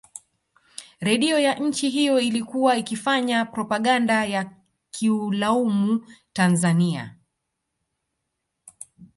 Redio ya nchi hiyo ilikuwa ikifanya propaganda ya kuilaumu Tanzania